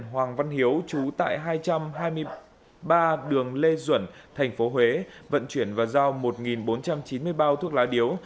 hoàng văn hiếu trú tại hai trăm hai mươi ba đường lê duẩn thành phố huế vận chuyển và giao một bốn trăm chín mươi bao thuốc lá điếu